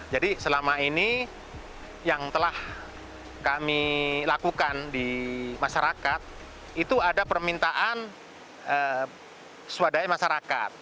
jadi selama ini yang telah kami lakukan di masyarakat itu ada permintaan swadaya masyarakat